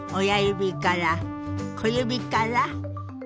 親指から小指から。